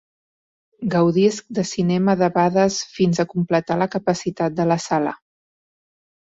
Gaudisc de cinema debades fins a completar la capacitat de la sala!